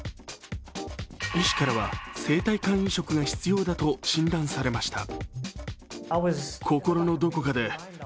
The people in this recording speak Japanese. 医師からは、生体肝移植が必要だと診断されました。